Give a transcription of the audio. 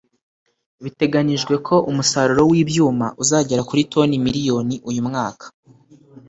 Biteganijwe ko umusaruro w'ibyuma uzagera kuri toni miliyoni uyu mwaka